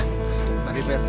mari pak rt